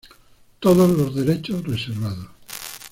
Todos los derechos reservados.